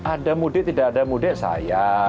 ada mudik tidak ada mudik saya